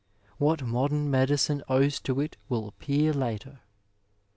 What modem medicine owes to it will appear later.